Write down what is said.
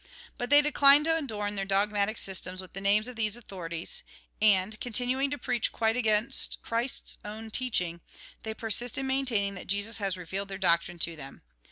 But they decline to adorn their dogmatic systems with the names of these authorities, and, continuing to preach quite against Christ's own teaching, they persist in maintaining that Jesus has revealed their doctrine to them.